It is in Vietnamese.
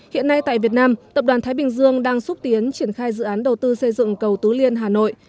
hiện nay tại việt nam tập đoàn thái bình dương đang xúc tiến triển khai dự án đầu tư xây dựng cầu tú liên hà nội